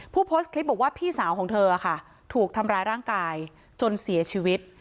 ผู้โพสต์คลิปบอกว่าพี่สาวของเธอค่ะถูกทำร้ายร่างกายจนเสียชีวิต